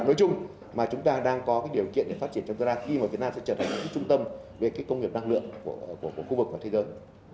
nói chung mà chúng ta đang có cái điều kiện để phát triển trong tương lai khi mà việt nam sẽ trở thành trung tâm về cái công nghiệp năng lượng của khu vực và thế giới